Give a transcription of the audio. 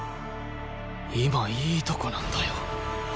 今いいとこなんだよ。